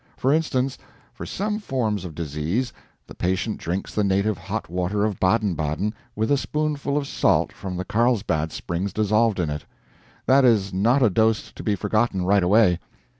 For instance, for some forms of disease, the patient drinks the native hot water of Baden Baden, with a spoonful of salt from the Carlsbad springs dissolved in it. That is not a dose to be forgotten right away.